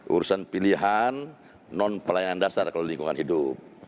urusan pilihan non pelayanan dasar kalau lingkungan hidup